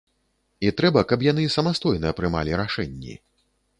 І трэба, каб яны самастойна прымалі рашэнні.